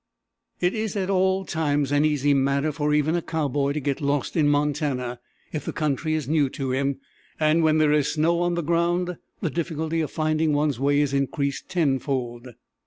It is at all times an easy matter for even a cowboy to get lost in Montana if the country is new to him, and when there is snow on the ground the difficulty of finding one's way is increased tenfold.